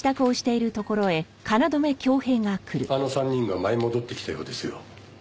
あの３人が舞い戻ってきたようですよ。